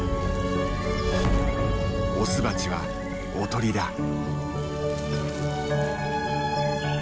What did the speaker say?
オスバチはおとりだ。